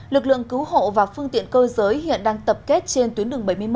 lực lượng cứu hộ và phương tiện cơ giới hiện đang tập kết trên tuyến đường bảy mươi một